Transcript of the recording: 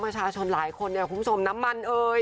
มาชาชนหลายคนอย่าฟุ้งชมน้ำมัน